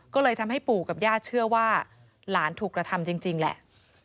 ก็เลยทำให้ปู่กับย่าเชื่อว่าหลานถูกกระทำจริงแหละ